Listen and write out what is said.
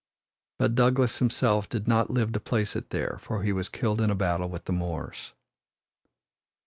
But Douglas himself did not live to place it there, for he was killed in a battle with the Moors.